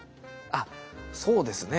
あっそうですね。